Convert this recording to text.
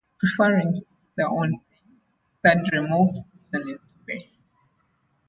Preferring to do their own thing, Third Remove put on a play.